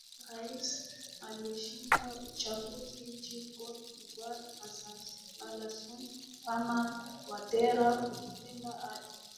rais aliyeshinda uchaguzi nchini cote devoire alasun raman watera ukipenda ado